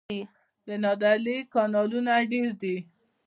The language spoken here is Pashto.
د نادعلي کانالونه ډیر دي